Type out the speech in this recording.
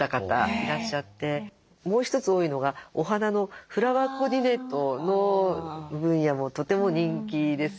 もう一つ多いのがお花のフラワーコーディネートの分野もとても人気ですよね。